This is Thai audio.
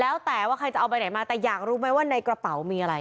แล้วแต่ว่าใครจะเอาใบไหนมาแต่อยากรู้ไหมว่าในกระเป๋ามีอะไร